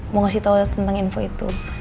mau ngasih tau tentang info itu